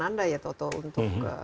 anda toto untuk